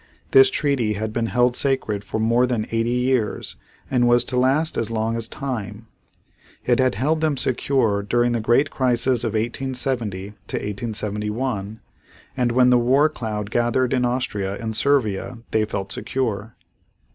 This treaty had been held sacred for more than eighty years and was to last as long as time. It had held them secure during the great crisis of 1870 1871 and when the war cloud gathered in Austria and Servia they felt secure.